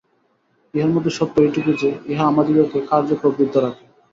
ইহার মধ্যে সত্য এইটুকু যে, ইহা আমাদিগকে কার্যে প্রবৃত্ত রাখে।